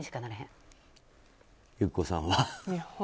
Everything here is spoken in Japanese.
友紀子さんは？